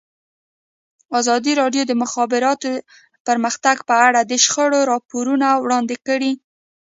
ازادي راډیو د د مخابراتو پرمختګ په اړه د شخړو راپورونه وړاندې کړي.